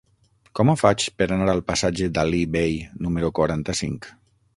Com ho faig per anar al passatge d'Alí Bei número quaranta-cinc?